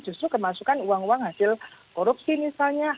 justru kemasukan uang uang hasil korupsi misalnya